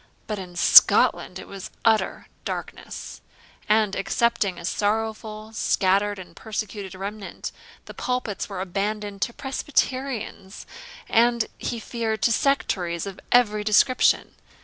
But in Scotland it was utter darkness; and, excepting a sorrowful, scattered, and persecuted remnant, the pulpits were abandoned to Presbyterians, and, he feared, to sectaries of every description.